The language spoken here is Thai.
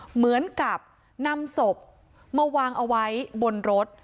เหมือนกับนำศพมาวางเอาไว้บนรถ